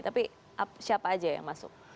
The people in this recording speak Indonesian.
tapi siapa aja yang masuk